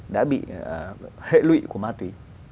đã bị hệ lụy của ma túy